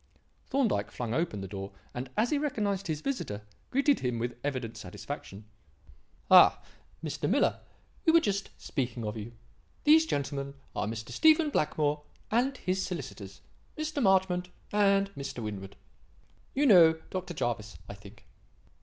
Thorndyke flung open the door, and, as he recognized his visitor, greeted him with evident satisfaction. "Ha! Mr. Miller; we were just speaking of you. These gentlemen are Mr. Stephen Blackmore and his solicitors, Mr. Marchmont and Mr. Winwood. You know Dr. Jervis, I think."